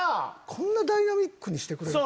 こんなダイナミックにしてくれる。